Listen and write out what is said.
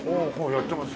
やってます